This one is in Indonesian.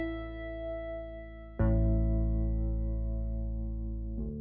t prod masih hidup